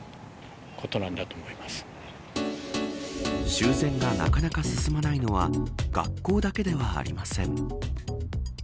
修繕がなかなか進まないのは学校だけではありません。